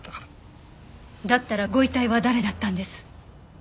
だったらご遺体は誰だったんです？